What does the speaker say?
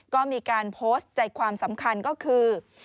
ก็มีการโพสต์ใจความสำคัญก็คือ